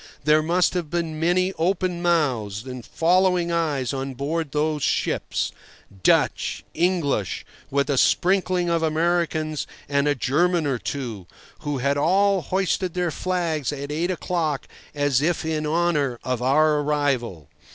There must have been many open mouths and following eyes on board those ships—Dutch, English, with a sprinkling of Americans and a German or two—who had all hoisted their flags at eight o'clock as if in honour of our arrival.